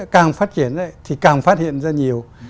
càng phát triển thì càng phát hiện ra nhiều